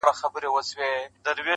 پخپل خنجر پاره پاره دي کړمه,